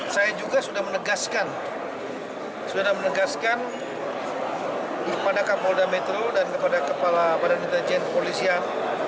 saya juga sudah menegaskan sudah menegaskan kepada kapolda metro dan kepada kepala badan intelijen polisian